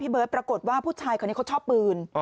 เบิร์ตปรากฏว่าผู้ชายคนนี้เขาชอบปืน